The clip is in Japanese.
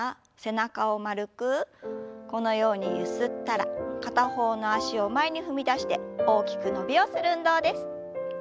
このようにゆすったら片方の脚を前に踏み出して大きく伸びをする運動です。